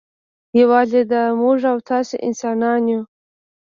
یوازې دا موږ او تاسې انسانان یو.